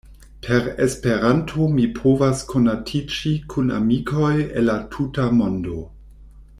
Per Esperanto mi povas konatiĝi kun amikoj el la tuta mondo.